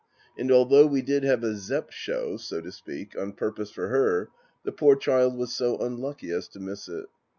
And although we did have a Zepp show, so to speak, on purpose for her, the poor child was so unlucky as to miss it.